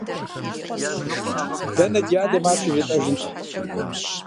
Дэнэ ди адэм ар щыжетӀэжынт!